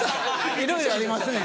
いろいろありますねん。